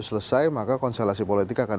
selesai maka konstelasi politik akan